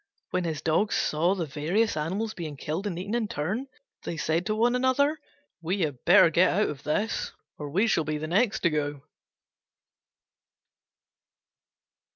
When his Dogs saw the various animals being killed and eaten in turn, they said to one another, "We had better get out of this or we shall be the next to go!"